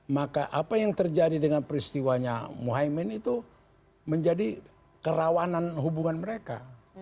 maka apa yang terjadi dengan peristiwanya mohaimin itu menjadi kerawanan hubungan mereka